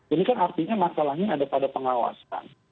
ini kan artinya masalahnya ada pada pengawasan